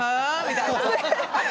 みたいな。